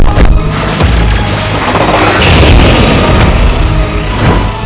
kau akan menang